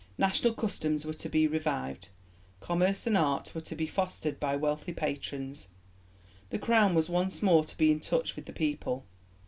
National customs were to be revived, commerce and art were to be fostered by wealthy patrons. The Crown was once more to be in touch with the people.